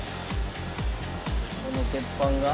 この鉄板が。